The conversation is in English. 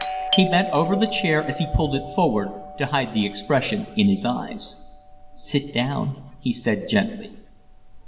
He bent over the chair as he pulled it forward, to hide the expression in his eyes. "Sit down," he said, gently.